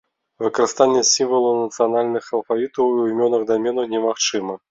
Выкарыстанне сімвалаў нацыянальных алфавітаў у імёнах даменаў немагчыма.